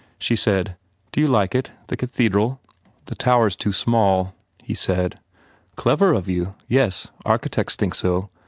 She said, "Do you like it? The cathedral?" "The tower s too small," he said. "Clever of you. Yes, architects think so.